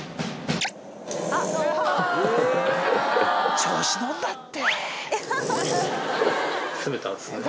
調子乗んなって。